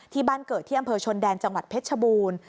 ที่บ้านเกิดที่อำเภอชนแดนจังหวัดเพชรชบูรณ์